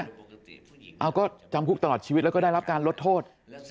เอาก็จำคุกตลอดชีวิตแล้วก็ได้รับการลดโทษ